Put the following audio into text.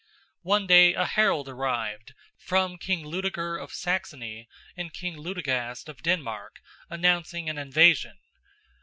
One day a herald arrived from King Ludeger of Saxony and King Ludegast of Denmark, announcing an invasion.